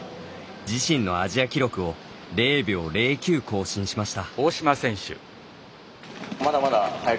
自身のアジア記録を０秒０９更新しました。